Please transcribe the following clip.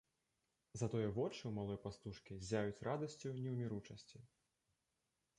Затое вочы ў малой пастушкі ззяюць радасцю неўміручасці.